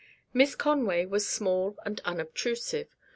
Miss Conway was small and unobtrusive.